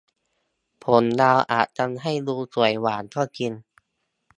ผมยาวอาจทำให้ดูสวยหวานก็จริง